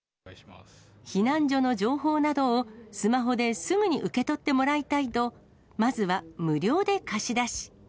避難所の情報などをスマホですぐに受け取ってもらいたいと、まずは無料で貸し出し。